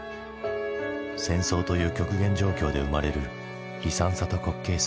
戦争という極限状況で生まれる悲惨さと滑稽さ。